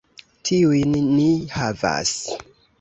Tiujn ni havas.